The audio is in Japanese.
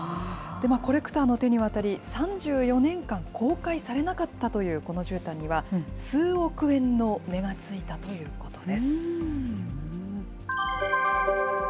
コレクターの手に渡り、３４年間、公開されなかったというこのじゅうたんには、数億円の値がついたということです。